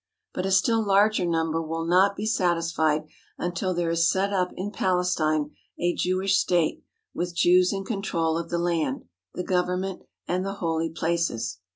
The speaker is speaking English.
But a still larger number will not be satis fied until there is set up in Palestine a Jewish state, with Jew 7 s in control of the land, the government, and the holy places.